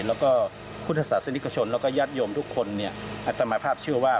แล้วก็พุทธศาสนิกชนแล้วก็ญาติโยมทุกคนเนี่ยอัตมาภาพเชื่อว่า